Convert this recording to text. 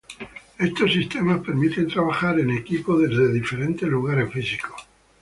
Estos sistemas permiten trabajar en equipo desde diferentes lugares físicos.